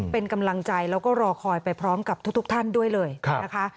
เป็นกำลังใจแล้วก็รอคอยไปพร้อมกับทุกท่านด้วยเลยนะคะ